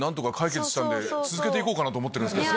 続けて行こうかと思ってるんです。